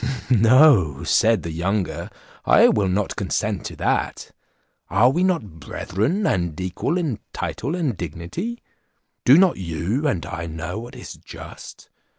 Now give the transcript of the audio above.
"No," said the younger "I will not consent to that; are we not brethren, and equal in title and dignity? Do not you and I know what is just?